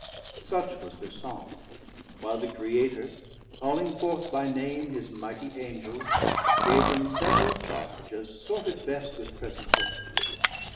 Such was thir song, While the Creator calling forth by name His mightie Angels gave them several charge, 650 As sorted best with present things.